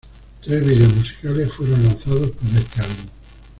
Tres videos musicales fueron lanzados para este álbum.